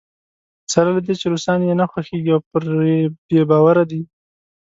سره له دې چې روسان یې نه خوښېږي او پرې بې باوره دی.